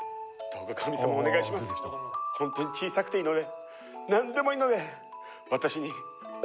本当に小さくていいのでなんでもいいので私にお宝を下さい。